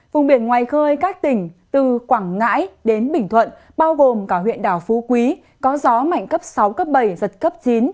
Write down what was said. vùng biển ngoài khơi các tỉnh từ quảng ngãi đến bình thuận bao gồm cả huyện đảo phú quý có gió mạnh cấp sáu cấp bảy giật cấp chín